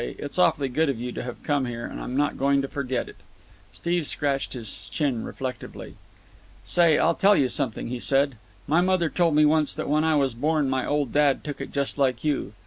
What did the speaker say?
It's awfully good of you to have come here, and I'm not going to forget it." Steve scratched his chin reflectively. "Say, I'll tell you something," he said. "My mother told me once that when I was born my old dad took it just like you.